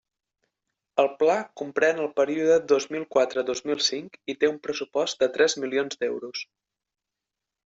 El Pla comprèn el període dos mil quatre - dos mil cinc i té un pressupost de tres milions d'euros.